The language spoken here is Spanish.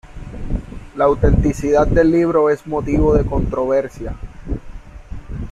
La autenticidad del libro es motivo de controversia.